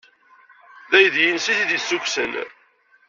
D aydi-nnes ay t-id-yessukksen.